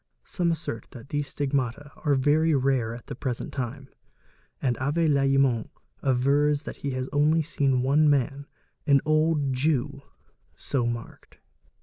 Some assert that these stigmata are very rare at the present time, and Avé Lallemant avers that he has only seen one man, an old Jew, 80 marked.